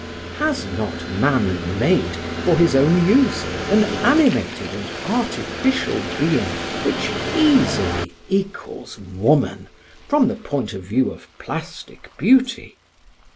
Has not man made, for his own use, an animated and artificial being which easily equals woman, from the point of view of plastic beauty?